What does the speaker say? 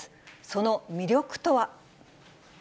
その魅力とは。